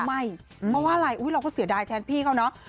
ไม่เพราะว่าอะไรเราก็เสียดายแทนพี่เขาเนาะ